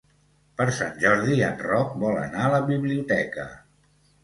Per Sant Jordi en Roc vol anar a la biblioteca.